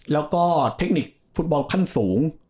แล้วก็เทคนิคฟุตบอลขั้นสูง